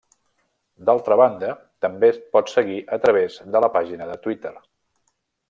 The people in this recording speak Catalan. D'altra banda, també es pot seguir a través de la pàgina de Twitter.